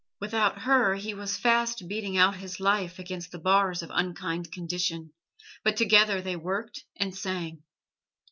Without her he was fast beating out his life against the bars of unkind condition, but together they worked and sang.